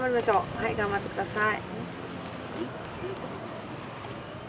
はい頑張ってください。